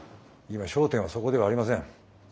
今焦点はそこではありません。